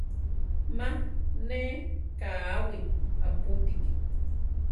¡Ma neʼé káwi apútiki!